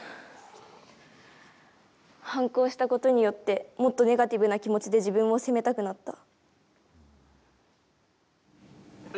反抗したことによってもっとネガティブな気持ちで自分を責めたくなった。